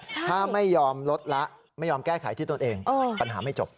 ถ้าไม่ยอมลดละไม่ยอมแก้ไขที่ตนเองปัญหาไม่จบ